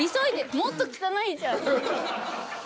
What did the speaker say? もっと汚いじゃん。